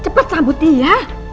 cepat sambut dia